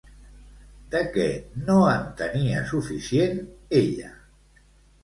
De què no en tenia suficient, ella?